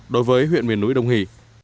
đối với huyện miền núi đồng hì